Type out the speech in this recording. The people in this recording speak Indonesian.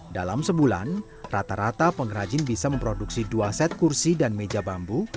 dalam sebulan rata rata pengrajin bisa memproduksi dua set kursi dan meja bambu